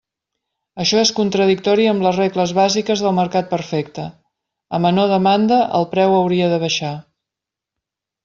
Això és contradictori amb les regles bàsiques del mercat perfecte: a menor demanda el preu hauria de baixar.